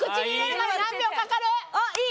あっいい！